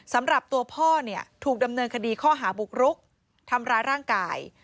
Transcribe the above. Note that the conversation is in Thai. สำหรับตัวพ่อเนี่ยถูกดำเนินคดีข้อหาบุกรุกทำร้ายร่างกาย